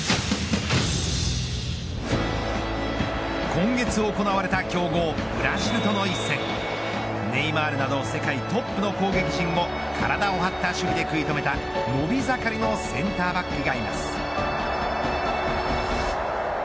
今月行われた強豪ブラジルとの一戦ネイマールなど世界トップの攻撃陣も体を張った守備で食い止めた伸び盛りのセンターバックがいます。